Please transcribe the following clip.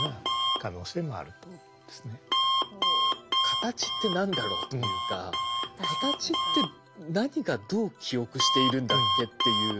形って何だろうというか形って何がどう記憶しているんだっけっていう。